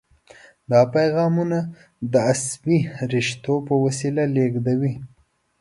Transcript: دا پیغامونه د عصبي رشتو په وسیله لیږدوي.